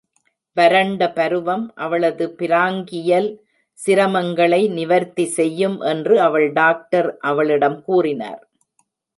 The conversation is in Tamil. வரண்ட பருவம், அவளது பிராங்கியல் சிரமங்களை நிவர்த்தி செய்யும் என்று அவள் டாக்டர் அவளிடம் கூறினார்.